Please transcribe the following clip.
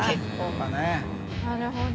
なるほど。